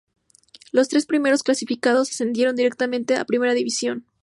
Los tres primeros clasificados ascendieron directamente a Primera División.